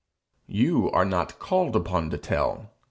You are not called upon to tell.